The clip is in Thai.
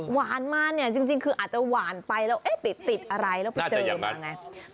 หวานมาเนี่ยจริงคืออาจจะหวานไปแล้วเอ๊ะติดอะไรแล้วไปเจอมาไง